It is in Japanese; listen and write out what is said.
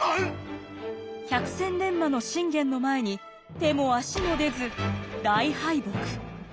百戦錬磨の信玄の前に手も足も出ず大敗北。